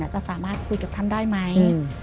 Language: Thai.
จะสามารถคุยกับท่านได้ไหม